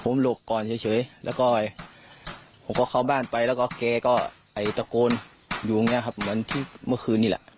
ผมหลบก่อนเฉยแล้วก็ผมก็เข้าบ้านไปแล้วก็แกก็ไอ้ตะโกนอยู่อย่างนี้ครับเหมือนที่เมื่อคืนนี้แหละ